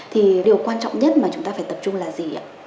thì điều quan trọng nhất mà chúng ta phải tập trung là gì ạ